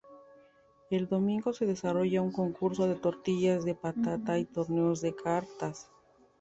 El domingo se desarrolla un concurso de tortillas de patata y torneos de cartas.